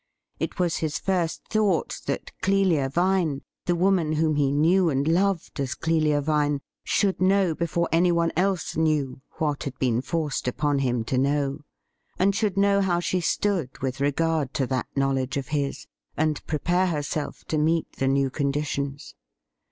It was his first thought that Clelia Vine — the woman whom he knew and loved as Clelia Vine — should know before anyone else knew what had been forced upon him to know, and should know how she stood with regard to that knowledge of his, and prepare herself to meet the new conditions.